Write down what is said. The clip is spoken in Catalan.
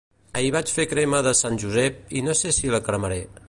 Ahir vaig fer crema de Sant Josep i no sé si la cremaré